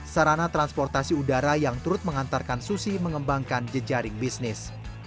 sarana transportasi udara yang turut mengantarkan susi mengembangkan jejaring bisnis